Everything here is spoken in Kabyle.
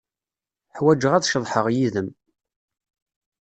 Ḥwajeɣ ad ceḍḥeɣ yid-m.